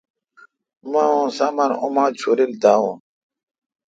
مہ اوں سامان اوما ڄورل داون۔